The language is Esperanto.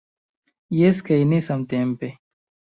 Jes kaj ne samtempe.